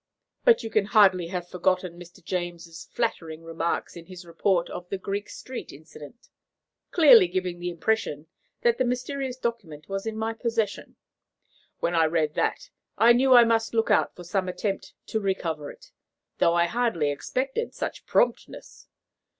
But you can hardly have forgotten Mr. James's flattering remarks in his report of the Greek Street incident, clearly giving the impression that the mysterious document was in my possession. When I read that, I knew I must look out for some attempt to recover it, though I hardly expected such promptness.